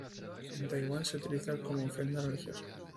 En Taiwán se utiliza como ofrenda religiosa.